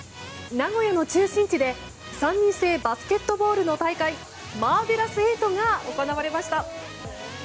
名古屋の中心地で３人制バスケットボールの大会マーベラス・エイトが行われました。